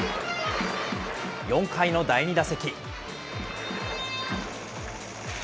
４回の第２打席。